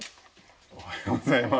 おはようございます。